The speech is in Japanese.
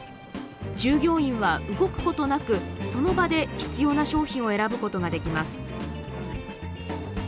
従業員は動くことなく、その場で必要な商品を選ぶことができます。